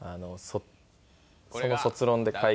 その卒論で書いた。